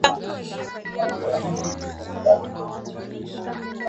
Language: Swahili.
Wamasai ukubaliwe kwa kuzingatia mabadiliko ya hali ya hewa kwa sababu hawawezi kulima katika